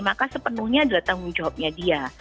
maka sepenuhnya adalah tanggung jawabnya dia